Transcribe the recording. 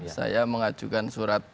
saya mengajukan surat